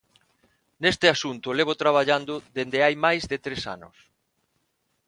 Neste asunto levo traballando dende hai máis de tres anos.